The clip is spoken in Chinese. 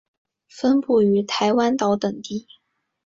分布于台湾岛等地。